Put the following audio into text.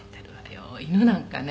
犬なんかね